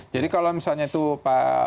jadi kalau misalnya itu pak